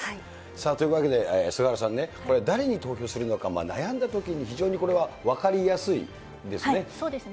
というわけで、菅原さんね、誰に投票するのか悩んだときに非常にこれは分かりやすいですね。